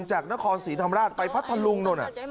จากนครศรีธรรมราชไปพัทธลุงนู่น